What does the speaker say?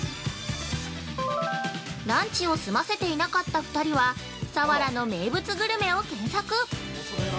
◆ランチを済ませていなかった２人は佐原の名物グルメを検索！